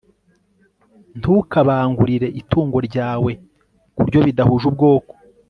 ntukabangurire itungo ryawe ku ryo bidahuje ubwoko